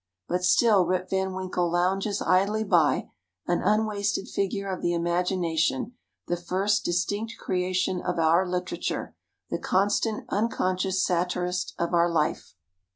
But still Rip Van Winkle lounges idly by, an unwasted figure of the imagination, the first distinct creation of our literature, the constant, unconscious satirist of our life.